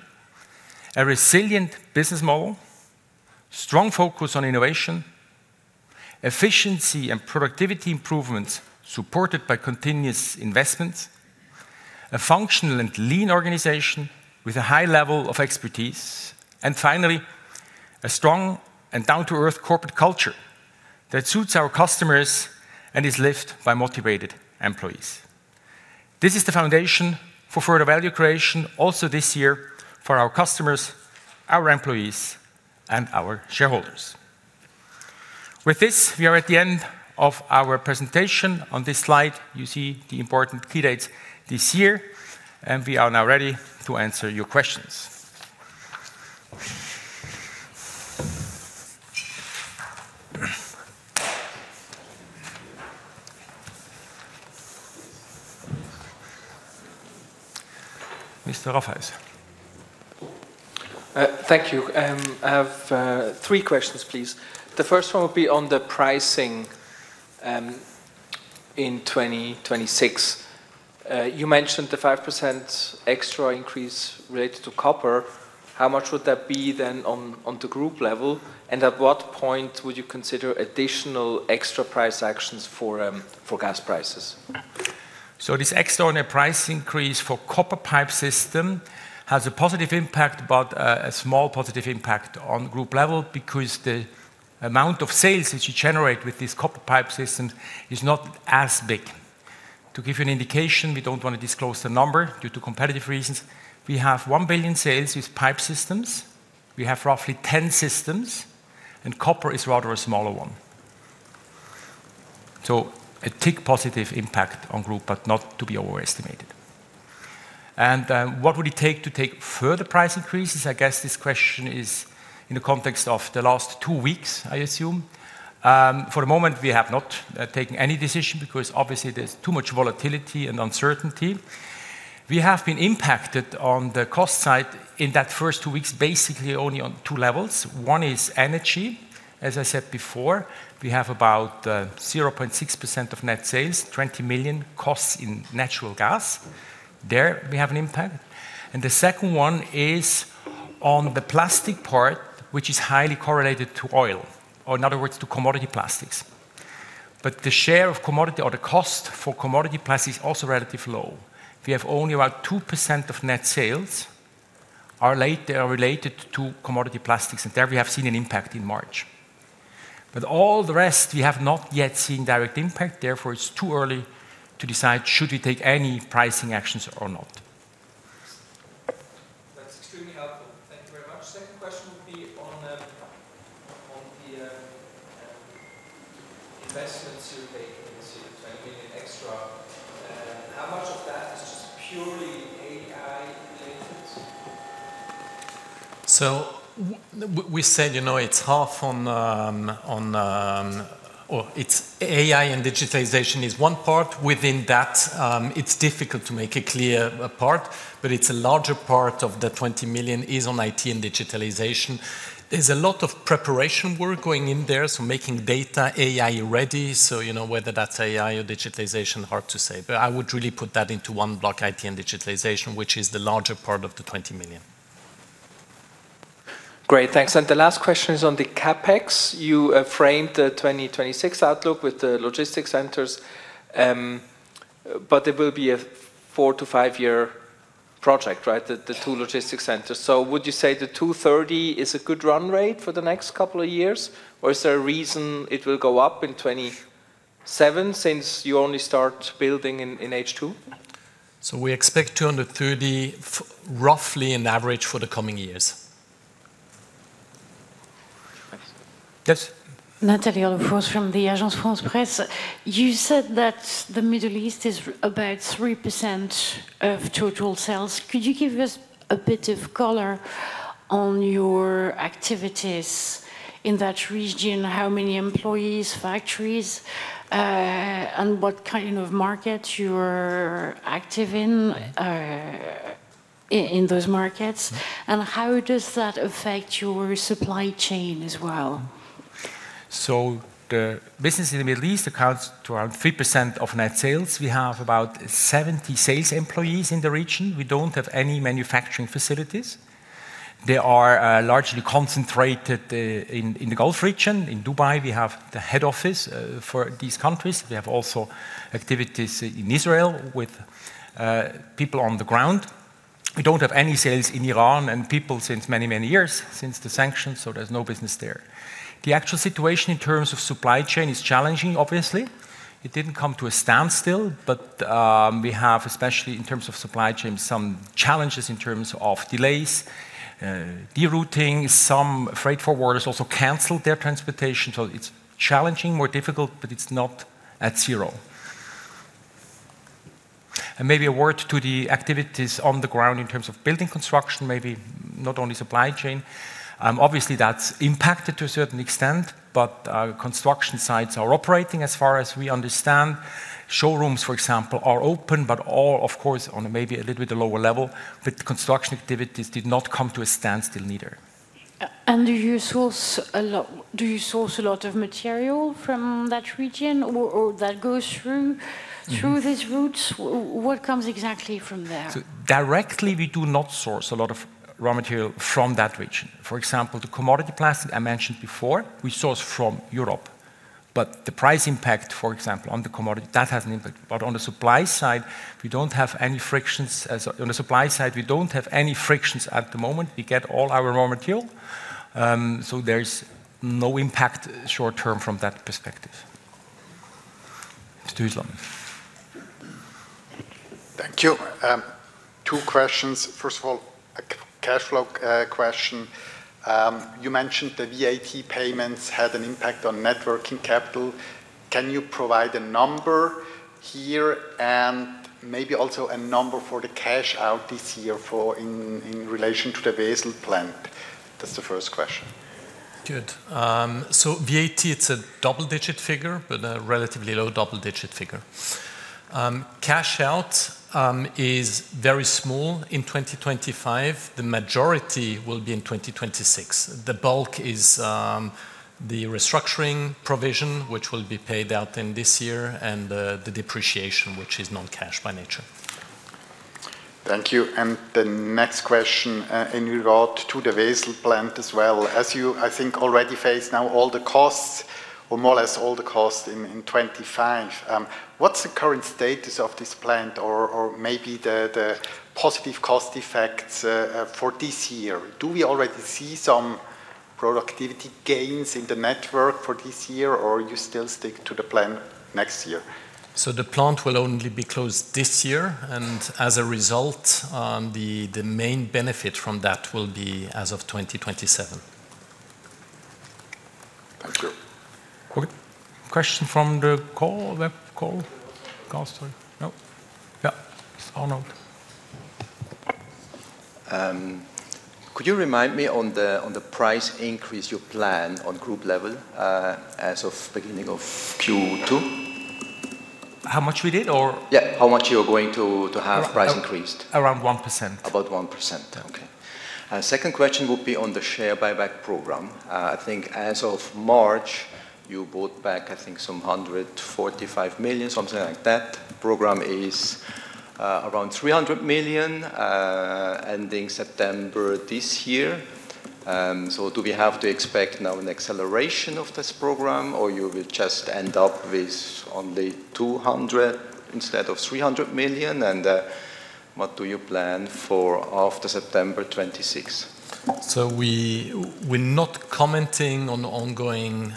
a resilient business model, strong focus on innovation, efficiency and productivity improvements supported by continuous investments, a functional and lean organization with a high level of expertise. Finally, a strong and down-to-earth corporate culture that suits our customers and is lived by motivated employees. This is the foundation for further value creation also this year for our customers, our employees, and our shareholders. With this, we are at the end of our presentation. On this slide, you see the important key dates this year, and we are now ready to answer your questions. Mr. Rafaisz. Thank you. I have three questions, please. The first one will be on the pricing in 2026. You mentioned the 5% extra increase related to copper. How much would that be then on the group level? And at what point would you consider additional extra price actions for gas prices? This extraordinary price increase for copper pipe system has a positive impact, but a small positive impact on group level because the amount of sales that you generate with these copper pipe systems is not as big. To give you an indication, we don't wanna disclose the number due to competitive reasons. We have 1 billion sales with pipe systems. We have roughly 10 systems, and copper is rather a smaller one. A tick positive impact on group, but not to be overestimated. What would it take to take further price increases? I guess this question is in the context of the last two weeks, I assume. For the moment, we have not taken any decision because obviously there's too much volatility and uncertainty. We have been impacted on the cost side in that first two weeks, basically only on two levels. One is energy. As I said before, we have about 0.6% of net sales, 20 million costs in natural gas. There we have an impact. The second one is on the plastic part, which is highly correlated to oil, or in other words, to commodity plastics. The share of commodity or the cost for commodity plastic is also relatively low. We have only about 2% of net sales are related to commodity plastics, and there we have seen an impact in March. All the rest, we have not yet seen direct impact. Therefore, it's too early to decide should we take any pricing actions or not. That's extremely helpful. Thank you very much. Second question would be on the investments you're making, so CHF 20 million extra. How much of that is just purely AI-related? We said, you know, it's half on. It's AI and digitalization is one part. Within that, it's difficult to make a clear part, but it's a larger part of the 20 million is on IT and digitalization. There's a lot of preparation work going in there, so making data AI ready. You know, whether that's AI or digitalization, hard to say. I would really put that into one block, IT and digitalization, which is the larger part of the 20 million. Great. Thanks. The last question is on the CapEx. You framed the 2026 outlook with the logistics centers, but it will be a 4- to 5-year project, right? The two logistics centers. Would you say the 230 million is a good run rate for the next couple of years, or is there a reason it will go up in 2027 since you only start building in H2? We expect 230 million roughly an average for the coming years. Yes. Nathalie Olof-Ors from the Agence France-Presse. You said that the Middle East is about 3% of total sales. Could you give us a bit of color on your activities in that region? How many employees, factories, and what kind of market you're active in those markets? How does that affect your supply chain as well? The business in the Middle East accounts for around 3% of net sales. We have about 70 sales employees in the region. We don't have any manufacturing facilities. They are largely concentrated in the Gulf region. In Dubai, we have the head office for these countries. We have also activities in Israel with people on the ground. We don't have any sales in Iran and people since many, many years, since the sanctions, so there's no business there. The actual situation in terms of supply chain is challenging, obviously. It didn't come to a standstill, but we have, especially in terms of supply chain, some challenges in terms of delays, rerouting. Some freight forwarders also canceled their transportation, so it's challenging, more difficult, but it's not at zero. Maybe a word to the activities on the ground in terms of building construction, maybe not only supply chain. Obviously, that's impacted to a certain extent, but construction sites are operating as far as we understand. Showrooms, for example, are open, but all, of course, on a maybe a little bit lower level, but construction activities did not come to a standstill neither. Do you source a lot of material from that region or that goes through- Mm-hmm. through these routes? What comes exactly from there? Directly, we do not source a lot of raw material from that region. For example, the commodity plastic I mentioned before, we source from Europe. The price impact, for example, on the commodity, that has an impact. On the supply side, we don't have any frictions at the moment. We get all our raw material, so there's no impact short-term from that perspective. Mr. Islam. Thank you. Two questions. First of all, a cash flow question. You mentioned the VAT payments had an impact on net working capital. Can you provide a number here and maybe also a number for the cash out this year in relation to the Wesel plant? That's the first question. Good. VAT, it's a double-digit figure, but a relatively low double-digit figure. Cash out is very small in 2025. The majority will be in 2026. The bulk is the restructuring provision, which will be paid out in this year, and the depreciation, which is non-cash by nature. Thank you. The next question in regard to the Wesel plant as well. As you, I think, already face now all the costs or more or less all the costs in 2025, what's the current status of this plant or maybe the positive cost effects for this year? Do we already see some productivity gains in the network for this year, or you still stick to the plan next year? The plant will only be closed this year, and as a result, the main benefit from that will be as of 2027. Thank you. Quick question from the call? Yeah. It's Arnaud. Could you remind me on the price increase you plan on group level, as of beginning of Q2? How much we did or- Yeah, how much you're going to have price increased? Around 1%. About 1%. Yeah. Okay. Second question would be on the share buyback program. I think as of March, you bought back I think some 145 million, something like that. Program is around 300 million, ending September this year. Do we have to expect now an acceleration of this program, or you will just end up with only 200 instead of 300 million? What do you plan for after September 2026? We're not commenting on ongoing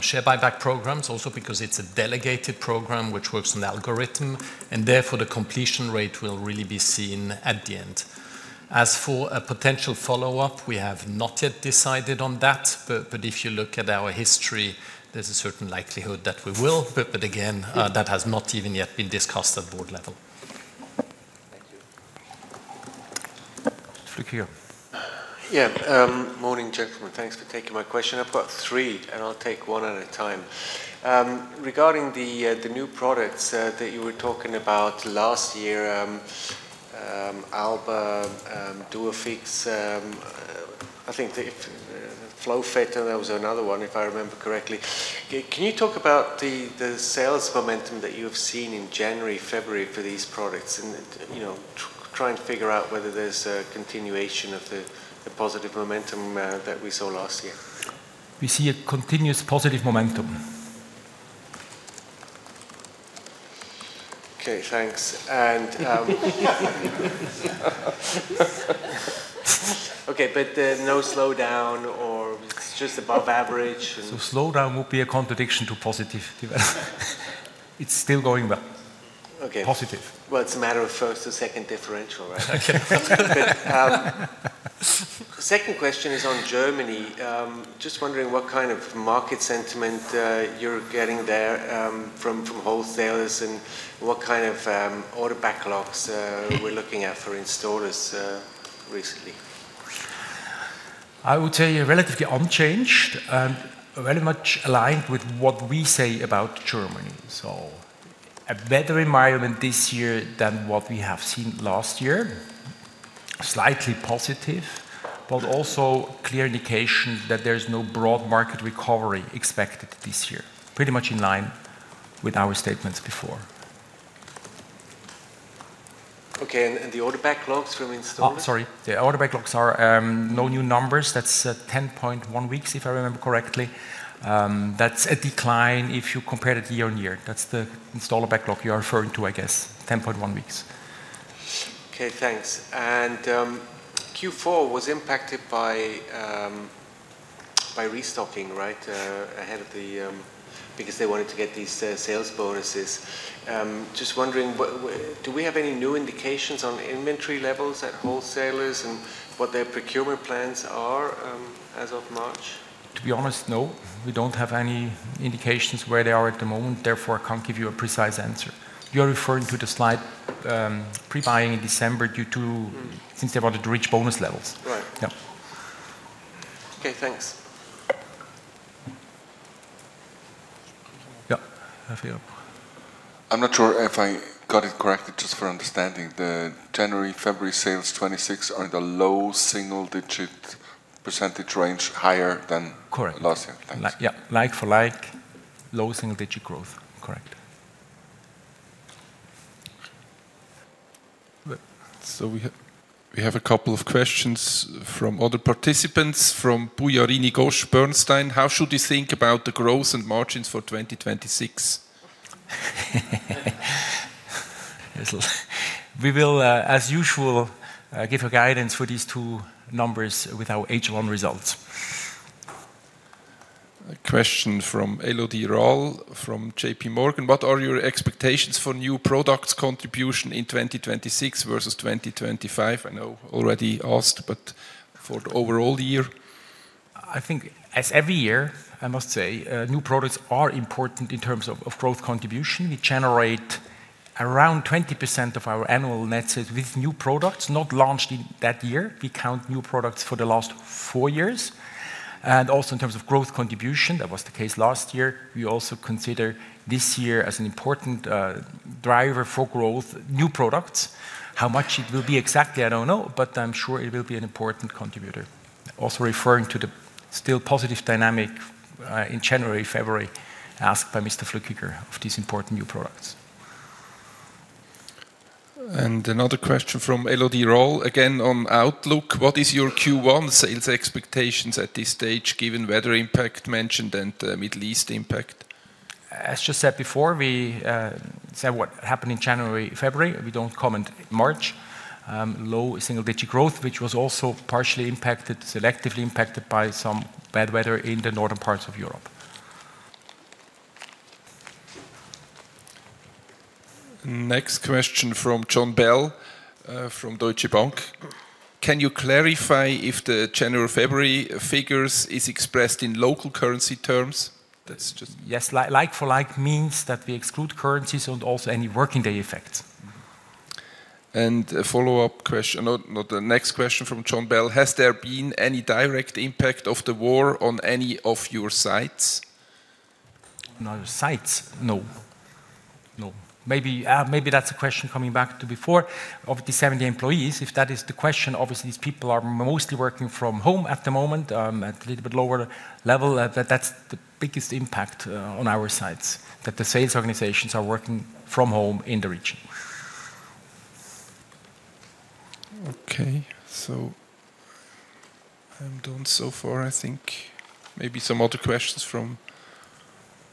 share buyback programs also because it's a delegated program which works on algorithm, and therefore, the completion rate will really be seen at the end. As for a potential follow-up, we have not yet decided on that, but if you look at our history, there's a certain likelihood that we will. Again, that has not even yet been discussed at board level. Thank you. Flueckiger. Yeah. Morning, gentlemen. Thanks for taking my question. I've got three, and I'll take one at a time. Regarding the new products that you were talking about last year, Alba, Duofix, I think the FlowFit, and there was another one, if I remember correctly. Can you talk about the sales momentum that you have seen in January, February for these products and, you know, try and figure out whether there's a continuation of the positive momentum that we saw last year? We see a continuous positive momentum. Okay, thanks. No slowdown or it's just above average and Slowdown would be a contradiction to positive. It's still going well. Okay. Positive. Well, it's a matter of first or second differential, right? Okay. Second question is on Germany. Just wondering what kind of market sentiment you're getting there from wholesalers and what kind of order backlogs we're looking at for installers recently. I would say relatively unchanged and very much aligned with what we say about Germany. A better environment this year than what we have seen last year. Slightly positive, but also clear indication that there's no broad market recovery expected this year. Pretty much in line with our statements before. Okay. The order backlogs from installers? Oh, sorry. The order backlogs are no new numbers. That's 10.1 weeks, if I remember correctly. That's a decline if you compare it year-on-year. That's the installer backlog you're referring to, I guess. 10.1 weeks. Okay, thanks. Q4 was impacted by restocking, right? Ahead of the because they wanted to get these sales bonuses. Just wondering, do we have any new indications on inventory levels at wholesalers and what their procurement plans are, as of March? To be honest, no. We don't have any indications where they are at the moment, therefore, I can't give you a precise answer. You're referring to the slide. Yes. pre-buying in December due to Mm-hmm. since they wanted to reach bonus levels. Right. Yeah. Okay, thanks. Yeah. I'm not sure if I got it correct. Just for understanding, the January, February 2026 sales are in the low single-digit percentage range higher than- Correct last year. Thanks. Yeah. Like for like, low single-digit growth. Correct. We have a couple of questions from other participants. From Pujarini Ghosh, Bernstein: How should we think about the growth and margins for 2026? We will, as usual, give a guidance for these two numbers with our H1 results. A question from Elodie Rall from J.P. Morgan: What are your expectations for new products contribution in 2026 versus 2025? I know already asked, but for the overall year. I think as every year, I must say, new products are important in terms of growth contribution. We generate around 20% of our annual net sales with new products not launched in that year. We count new products for the last four years. Also in terms of growth contribution, that was the case last year. We also consider this year as an important driver for growth, new products. How much it will be exactly, I don't know, but I'm sure it will be an important contributor. Also referring to the still positive dynamic in January, February, asked by Mr. Flueckiger, of these important new products. Another question from Elodie Rall, again on outlook. What is your Q1 sales expectations at this stage given weather impact mentioned and the Middle East impact? As just said before, we said what happened in January, February. We don't comment March. Low single-digit growth, which was also partially impacted, selectively impacted by some bad weather in the northern parts of Europe. Next question from Jon Bell from Deutsche Bank: Can you clarify if the January, February figures is expressed in local currency terms? Yes. Like for like means that we exclude currencies and also any working day effects. A follow-up question. The next question from Jon Bell: Has there been any direct impact of the war on any of your sites? On our sites? No. Maybe that's a question coming back to before. Of the 70 employees, if that is the question, obviously, these people are mostly working from home at the moment, at a little bit lower level. That's the biggest impact on our sites, that the sales organizations are working from home in the region. Okay. I'm done so far, I think. Maybe some other questions from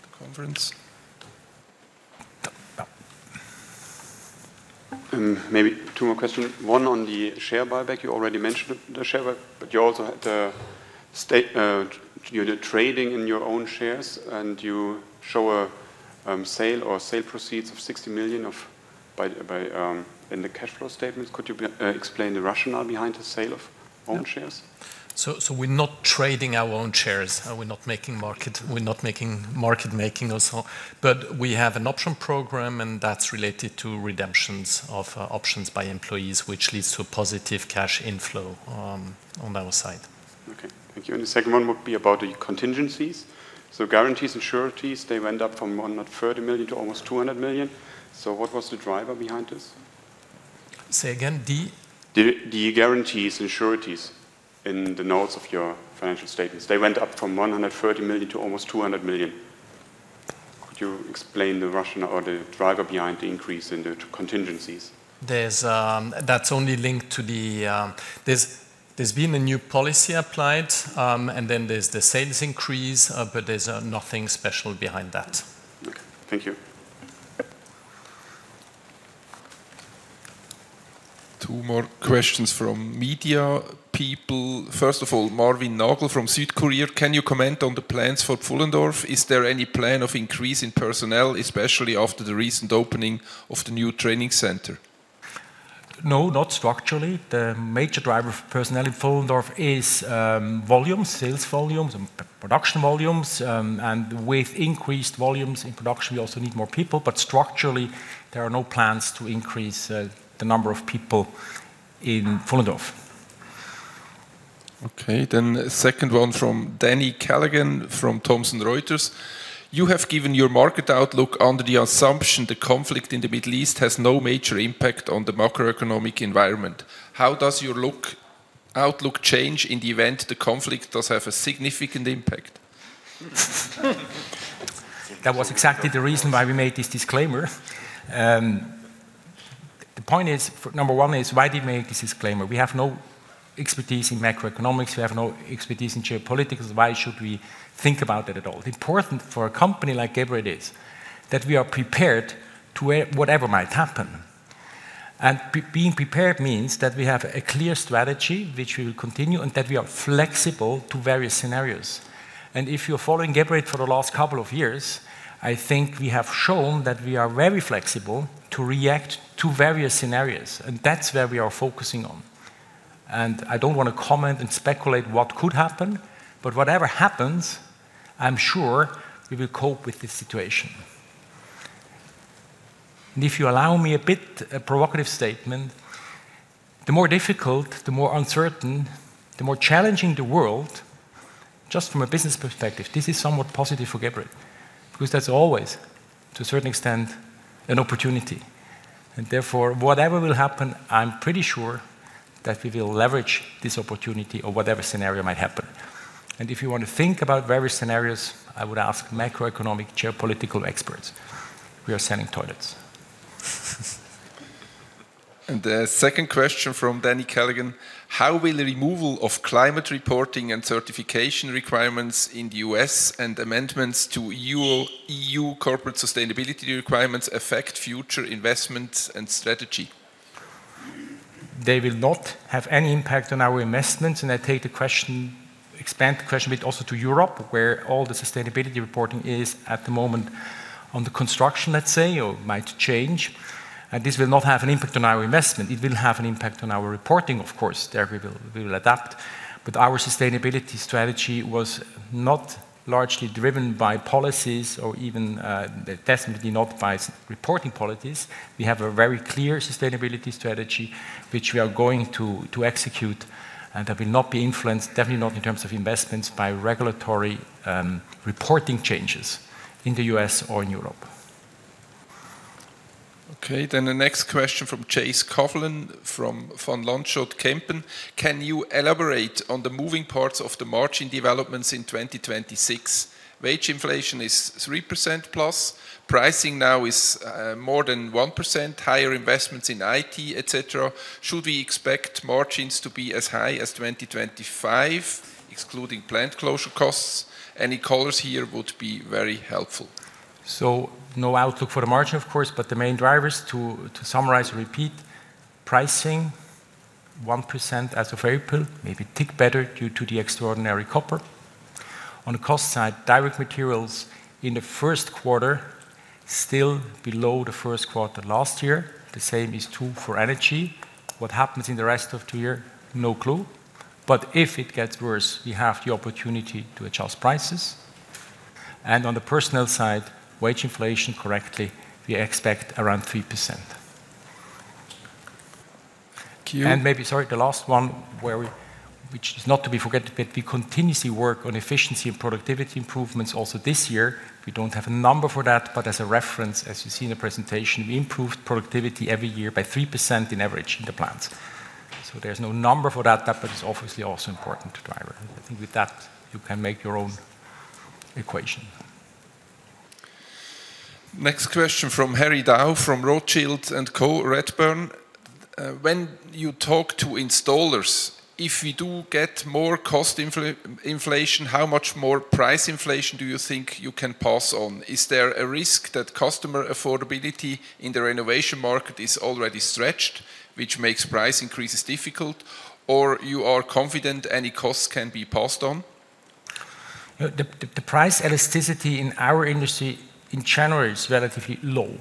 the conference. Maybe two more questions. One on the share buyback. You already mentioned the share buyback, but you also had you're trading in your own shares and you show a sale or sale proceeds of 60 million in the cash flow statement. Could you explain the rationale behind the sale of own shares? We're not trading our own shares. We're not making market making or so. We have an option program, and that's related to redemptions of options by employees, which leads to a positive cash inflow on our side. Okay. Thank you. The second one would be about the contingencies. Guarantees and sureties, they went up from 130 million to almost 200 million. What was the driver behind this? Say again. The guarantees and sureties in the notes of your financial statements. They went up from 130 million to almost 200 million. Could you explain the rationale or the driver behind the increase in the contingencies? That's only linked to the. There's been a new policy applied, and then there's the sales increase, but there's nothing special behind that. Okay. Thank you. Two more questions from media people. First of all, Marvin Oppong from Südkurier: Can you comment on the plans for Pfullendorf? Is there any plan of increase in personnel, especially after the recent opening of the new training center? No, not structurally. The major driver for personnel in Pfullendorf is volume, sales volumes and production volumes. With increased volumes in production, we also need more people. Structurally, there are no plans to increase the number of people in Pfullendorf. Okay, second one from Danny Callaghan from Thomson Reuters. You have given your market outlook under the assumption the conflict in the Middle East has no major impact on the macroeconomic environment. How does your outlook change in the event the conflict does have a significant impact? That was exactly the reason why we made this disclaimer. The point is, for number one is, why did we make this disclaimer? We have no expertise in macroeconomics. We have no expertise in geopolitics. Why should we think about that at all? Important for a company like Geberit is that we are prepared to whatever might happen. Being prepared means that we have a clear strategy which we will continue and that we are flexible to various scenarios. If you're following Geberit for the last couple of years, I think we have shown that we are very flexible to react to various scenarios, and that's where we are focusing on. I don't wanna comment and speculate what could happen, but whatever happens, I'm sure we will cope with this situation. If you allow me a bit of a provocative statement, the more difficult, the more uncertain, the more challenging the world, just from a business perspective, this is somewhat positive for Geberit, because that's always, to a certain extent, an opportunity. Therefore, whatever will happen, I'm pretty sure that we will leverage this opportunity or whatever scenario might happen. If you want to think about various scenarios, I would ask macroeconomic and geopolitical experts. We are selling toilets. The second question from Danny Callaghan: How will the removal of climate reporting and certification requirements in the U.S. and amendments to EU Corporate Sustainability Reporting Directive affect future investments and strategy? They will not have any impact on our investments. I take the question, expand the question a bit also to Europe, where all the sustainability reporting is at the moment on the construction, let's say, or might change. This will not have an impact on our investment. It will have an impact on our reporting, of course. There we will adapt. Our sustainability strategy was not largely driven by policies or even, definitely not by sustainability reporting policies. We have a very clear sustainability strategy which we are going to execute, and that will not be influenced, definitely not in terms of investments, by regulatory reporting changes in the U.S. or in Europe. Okay, the next question from Chase Coughlin from Van Lanschot Kempen: Can you elaborate on the moving parts of the margin developments in 2026? Wage inflation is 3%+. Pricing now is more than 1%, higher investments in IT, et cetera. Should we expect margins to be as high as 2025, excluding plant closure costs? Any colors here would be very helpful. No outlook for the margin, of course, but the main drivers to summarize and repeat: pricing, 1% as of April, maybe tick better due to the extraordinary copper. On the cost side, direct materials in the first quarter, still below the first quarter last year. The same is true for energy. What happens in the rest of the year? No clue. If it gets worse, we have the opportunity to adjust prices. On the personnel side, wage inflation correctly, we expect around 3%. Q- Maybe, sorry, the last one which is not to be forgotten, but we continuously work on efficiency and productivity improvements also this year. We don't have a number for that, but as a reference, as you see in the presentation, we improved productivity every year by 3% on average in the plants. There's no number for that, but it's obviously also important driver. I think with that, you can make your own equation. Next question from Harry Sheridan from Rothschild & Co., Redburn: when you talk to installers, if we do get more cost inflation, how much more price inflation do you think you can pass on? Is there a risk that customer affordability in the renovation market is already stretched, which makes price increases difficult? you are confident any costs can be passed on? The price elasticity in our industry in general is relatively low.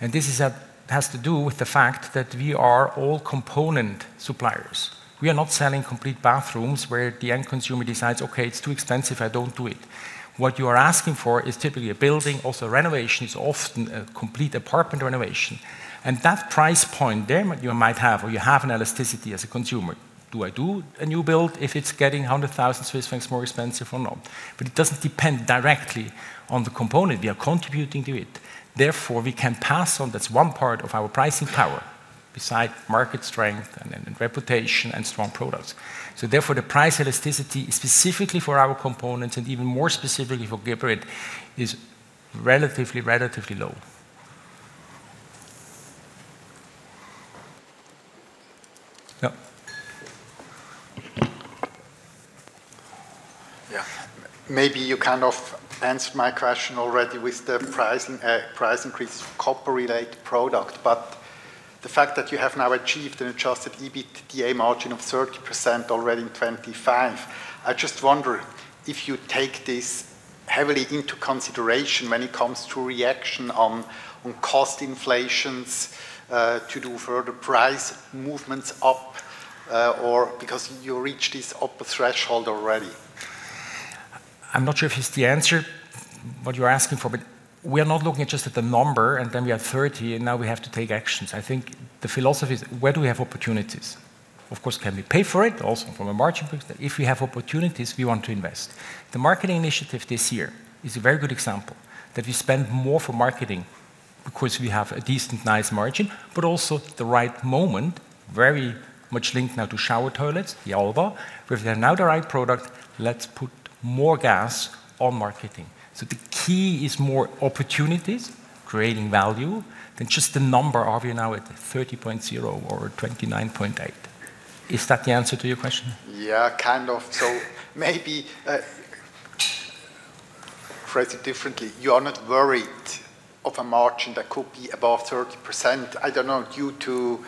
This has to do with the fact that we are all component suppliers. We are not selling complete bathrooms where the end consumer decides, "Okay, it's too expensive, I don't do it." What you are asking for is typically a building. Also, renovation is often a complete apartment renovation. That price point, there you might have or you have an elasticity as a consumer. "Do I do a new build if it's getting 100,000 Swiss francs more expensive or not?" It doesn't depend directly on the component. We are contributing to it. Therefore, we can pass on. That's one part of our pricing power, besides market strength and reputation and strong products. Therefore, the price elasticity specifically for our components and even more specifically for Geberit is relatively low. Yeah. Yeah. Maybe you kind of answered my question already with the pricing, price increase copper-related product. But the fact that you have now achieved an adjusted EBITDA margin of 30% already in 2025, I just wonder if you take this heavily into consideration when it comes to reaction on cost inflation, to do further price movements up, or because you reach this upper threshold already. I'm not sure if it's the answer what you're asking for, but we are not looking just at the number, and then we are 30%, and now we have to take actions. I think the philosophy is where do we have opportunities? Of course, can we pay for it also from a margin point? If we have opportunities, we want to invest. The marketing initiative this year is a very good example that we spend more for marketing because we have a decent, nice margin, but also the right moment, very much linked now to shower toilets, the Alba. We have now the right product, let's put more gas on marketing. The key is more opportunities, creating value than just the number. Are we now at 30.0% or 29.8%? Is that the answer to your question? Yeah, kind of. Maybe phrase it differently. You are not worried of a margin that could be above 30%, I don't know, due to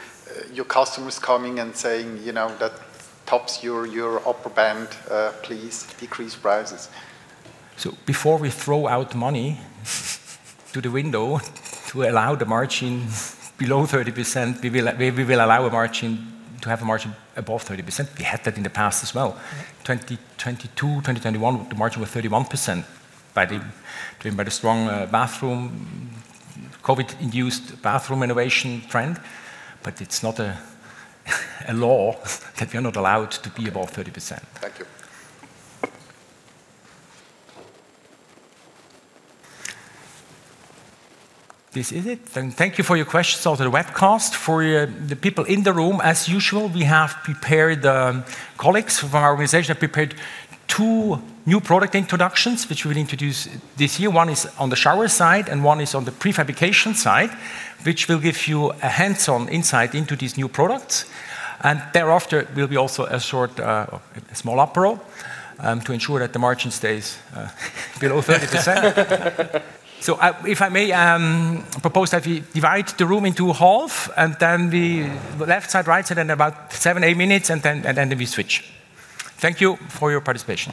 your customers coming and saying, you know, that tops your upper band, please decrease prices. Before we throw money out the window to allow the margin below 30%, we will allow a margin above 30%. We had that in the past as well. 2022, 2021, the margin was 31% due to the strong, COVID-induced bathroom renovation trend. It's not a law that we are not allowed to be above 30%. Thank you. This is it. Thank you for your questions on the webcast. For the people in the room, as usual, colleagues from our organization have prepared two new product introductions which we'll introduce this year. One is on the shower side and one is on the prefabrication side, which will give you a hands-on insight into these new products. Thereafter will be also a short small apéro to ensure that the margin stays below 30%. If I may propose that we divide the room in half, and then the left side, right side, and about seven, eight minutes, and then we switch. Thank you for your participation.